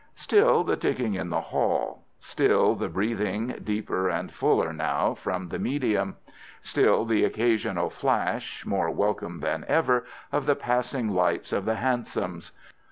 Still the ticking in the hall. Still the breathing, deeper and fuller now, from the medium. Still the occasional flash, more welcome than ever, of the passing lights of the hansoms.